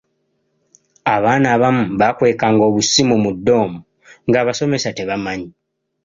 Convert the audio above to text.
Abaana abamu baakwekanga obusimu mu ddoomu ng’abasomesa tebamanyi.